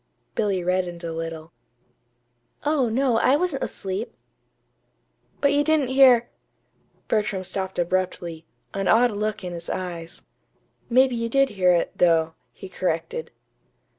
Billy reddened a little. "Oh, no, I wasn't asleep." "But you didn't hear " Bertram stopped abruptly, an odd look in his eyes. "Maybe you did hear it, though," he corrected.